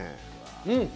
うん！